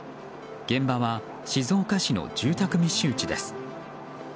現場は静岡市の住宅密集地です。